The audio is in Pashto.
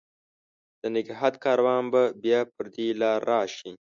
د نګهت کاروان به بیا پر دې لار، راشي